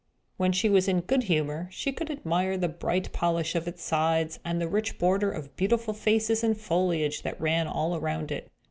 When she was in good humour, she could admire the bright polish of its sides, and the rich border of beautiful faces and foliage that ran all around it.